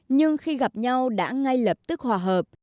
nhưng khi gặp nhau đã ngay lập tức hòa hợp